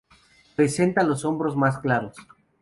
Presenta los hombros más claros.